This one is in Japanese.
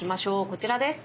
こちらです。